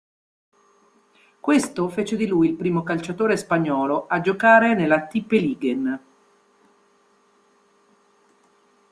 Questo fece di lui il primo calciatore spagnolo a giocare nella Tippeligaen.